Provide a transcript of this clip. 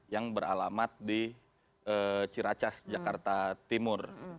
yang beralamat di ciracas jakarta timur